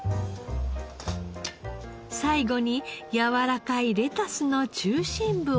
最後に柔らかいレタスの中心部を添えて。